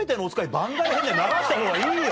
番外編で流したほうがいいよ。